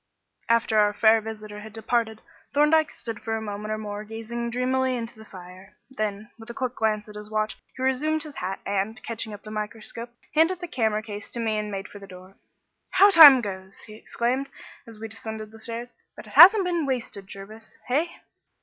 After our fair visitor had departed, Thorndyke stood for a minute or more gazing dreamily into the fire. Then, with a quick glance at his watch, he resumed his hat and, catching up the microscope, handed the camera case to me and made for the door. "How the time goes!" he exclaimed, as we descended the stairs; "but it hasn't been wasted, Jervis, hey?"